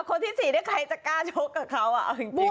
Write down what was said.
คนที่๔เนี่ยใครจะกล้าเชิกกับเขาอ่ะเอาจริง